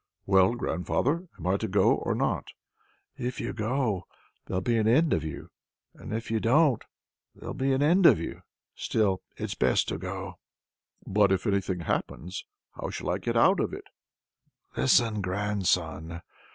"Well, grandfather, am I to go, or not?" "If you go, there'll be an end of you; and if you don't go, there'll be an end of you! Still, it's best to go." "But if anything happens, how shall I get out of it?" "Listen, grandson!